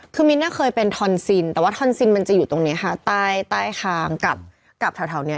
คือมิ้นเคยเป็นทอนซินแต่ว่าทอนซินมันจะอยู่ตรงนี้ค่ะใต้ใต้คางกับกับแถวเนี้ย